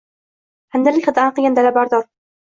Handalak hidi anqigan dalalarbor.